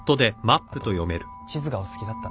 あと地図がお好きだったんで。